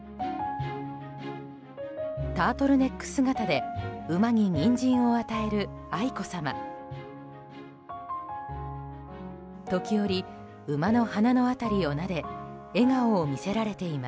タートルネック姿で馬にニンジンを与える愛子さま。